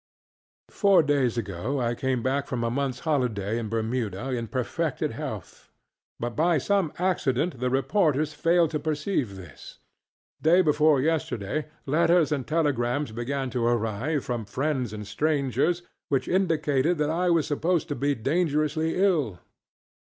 Four days ago I came back from a monthŌĆÖs holiday in Bermuda in perfected health; but by some accident the reporters failed to perceive this. Day before yesterday, letters and telegrams began to arrive from friends and strangers which indicated that I was supposed to be dangerously ill.